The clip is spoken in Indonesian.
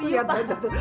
lihat aja tuh